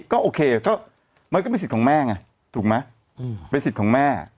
ก็โอเคก็มันก็เป็นสิทธิ์ของแม่ไงถูกไหมเป็นสิทธิ์ของแม่